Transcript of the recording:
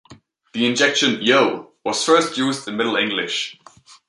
The interjection "yo" was first used in Middle English.